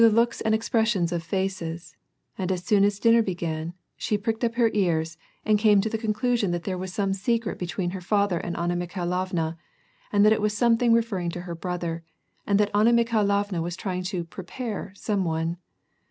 281 looks and expressions of faces, and as soon as dinner began, she phcked up her ears, and came to the conclusion that there was some secret between her father and Anna Mikhailovna, and that it was something referring to her brother, and that Anna Mikhailovna was trying to ^^ prepare " some one.